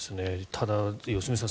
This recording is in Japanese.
ただ、良純さん